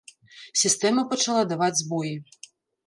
Сістэма пачала даваць збоі.